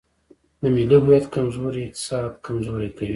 د ملي هویت کمزوري اقتصاد کمزوری کوي.